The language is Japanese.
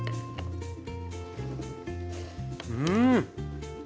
うん！